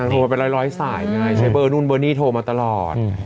โทรมาเป็นร้อยสายไงใช้เบอร์นู่นเบอร์นี่โทรมาตลอด